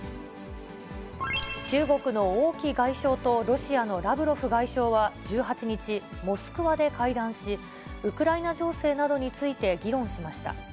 中国の王毅外相とロシアのラブロフ外相は１８日、モスクワで会談し、ウクライナ情勢などについて議論しました。